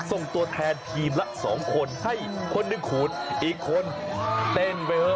ส่งตัวแทนทีมละ๒คนให้คนหนึ่งขูดอีกคนเต้นไปเถอ